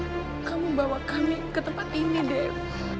dev kenapa kamu bawa kami ke tempat ini dev